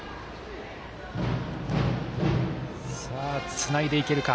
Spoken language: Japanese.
つないでいけるか。